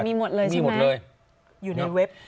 มีหมดเลยใช่ไหมอยู่ในเว็บ